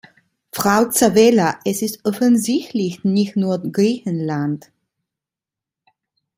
Frau Tzavela, es ist offensichtlich nicht nur Griechenland.